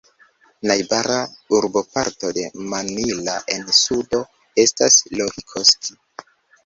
Najbara urboparto de Mannila en sudo estas Lohikoski.